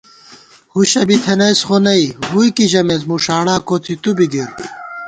ہُشہ بی تھنَئیس خو نئ ، ووئی کی ژَمېس مُݭاڑا کوڅی تُو بی گِر